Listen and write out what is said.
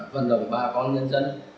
vận động bà con nhân dân